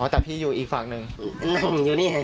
อ๋อแต่พี่อยู่อีกฝั่งนึง